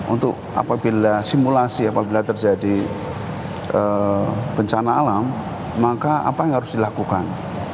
untuk apabila simulasi apabila terjadi bencana alam maka apa yang harus dilakukan